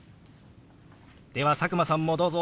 では佐久間さんもどうぞ！